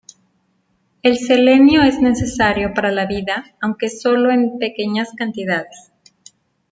El selenio es necesario para la vida, aunque sólo en pequeñas cantidades.